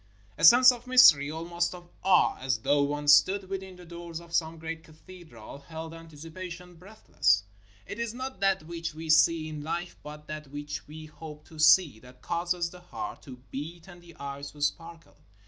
A sense of mystery, almost of awe, as though one stood within the doors of some great cathedral, held antici pation breathless. It is not that which we see in life, but that which we hope to see, that causes the heart to beat and the eyes to sparkle.